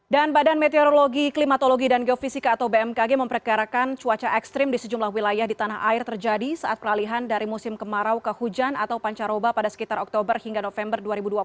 dan badan meteorologi klimatologi dan geofisika atau bmkg memperkarakan cuaca ekstrim di sejumlah wilayah di tanah air terjadi saat kelalihan dari musim kemarau ke hujan atau pancaroba pada sekitar oktober hingga november dua ribu dua puluh dua